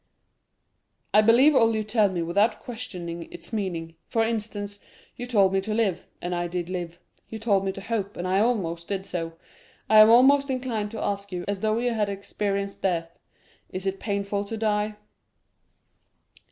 50269m "I believe all you tell me without questioning its meaning; for instance, you told me to live, and I did live; you told me to hope, and I almost did so. I am almost inclined to ask you, as though you had experienced death, 'is it painful to die?